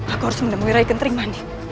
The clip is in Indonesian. aku harus menemui rai kentrimani